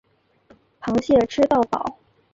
螃蟹吃到饱